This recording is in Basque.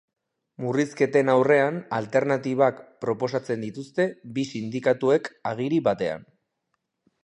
Murrizketen aurrean alternatibak proposatzen dituzte bi sindikatuek agiri batean.